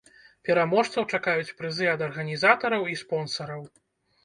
Пераможцаў чакаюць прызы ад арганізатараў і спонсараў.